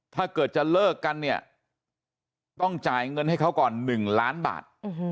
ถ้าเกิดจะเลิกกันเนี่ยต้องจ่ายเงินให้เขาก่อน๑ล้านบาท